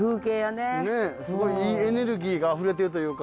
ねえすごいいいエネルギーがあふれてるというか。